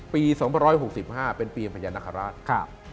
ปี๒๖๕เป็นปีพญานาคาราช